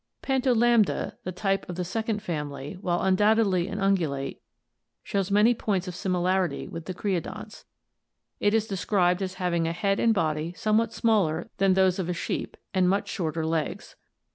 Pantolambda, the type of the second family, while undoubtedly an ungulate, shows many points of similarity with the creodonts. It is described as having a head and body somewhat smaller than those of a sheep and much shorter legs.